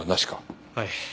はい。